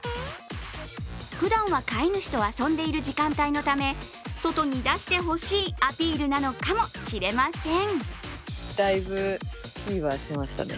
ふだんは飼い主と遊んでいる時間帯のため、外に出してほしいアピールなのかもしれません。